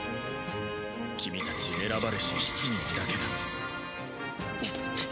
君たち選ばれし７人だけだ。